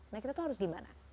nah kita tuh harus gimana